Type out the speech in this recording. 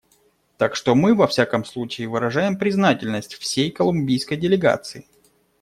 Так что мы, во всяком случае, выражаем признательность всей колумбийской делегации.